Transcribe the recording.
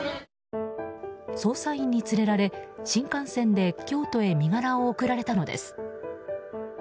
捜査員に連れられ、新幹線で京都へ身柄を送られたのです。